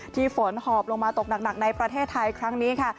ฝนหอบลงมาตกหนักในประเทศไทยครั้งนี้ค่ะ